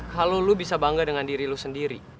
kalo lo bisa bangga dengan diri lo sendiri